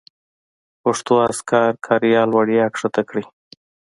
پښتو اذکار کاریال وړیا کښته کړئ.